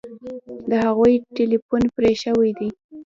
د هغوی ټیلیفون پرې شوی دی